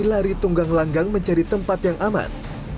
lari tunggang langgang mencari tempat yang aman